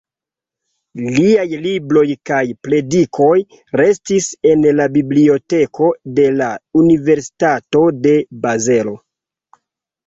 Liaj libroj kaj predikoj restis en la biblioteko de la Universitato de Bazelo.